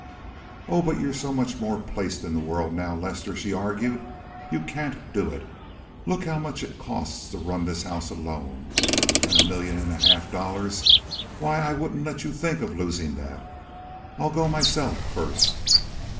"Oh, but you're so much more placed in the world now, Lester," she argued. "You can't do it. Look how much it costs to run this house alone. And a million and a half of dollars—why, I wouldn't let you think of losing that. I'll go myself first."